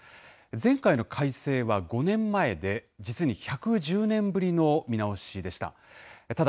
前回の改正は５年前で、実に１１０年ぶりの見直しでした。